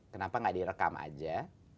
kenapa gak direkam aja